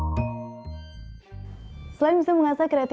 selain bisa mengasah kreativitas berbagi ide inspiratif